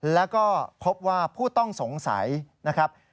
แล้วก็พบว่าผู้ต้องสงสัยนะครับ